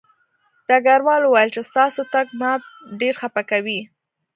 ډګروال وویل چې ستاسو تګ ما ډېر خپه کوي